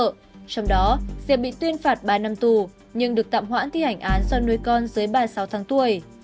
trong đó diệp bị tuyên phạt ba năm tù nhưng được tạm hoãn thi hành án do nuôi con dưới ba mươi sáu tháng tuổi